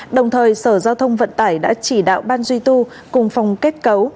đồng thời sở giao thông vận tải đã chỉ đạo ban duy tu cùng phòng kết cấu